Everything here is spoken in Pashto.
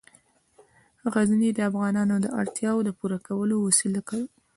غزني د افغانانو د اړتیاوو د پوره کولو وسیله ده.